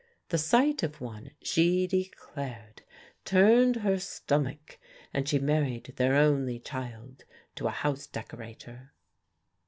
The sight of one (she declared) turned her stomach, and she married their only child to a house decorator.